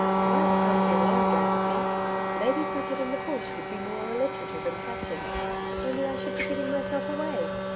'Rather clumsy and long, don't you think? "Lady Bridget in the Bush" would be more alliterative and catching. Only I should be giving myself away.'